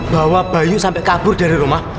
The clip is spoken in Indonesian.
bawa bayu sampai kabur dari rumah